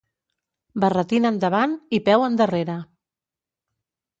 Barretina endavant i peu endarrere.